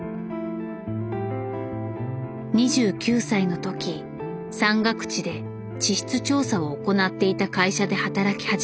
２９歳の時山岳地で地質調査を行っていた会社で働き始めた。